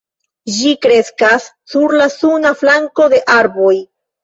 Ĝi kreskas sur la suna flanko de arboj.